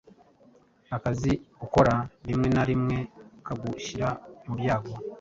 akazi ukora rimwe na rimwe kagushyira mu byago